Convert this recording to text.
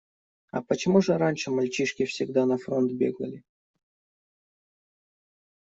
А почему же раньше мальчишки всегда на фронт бегали?